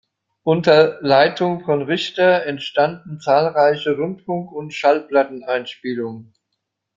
Unter Leitung von Richter entstanden zahlreiche Rundfunk- und Schallplatteneinspielungen.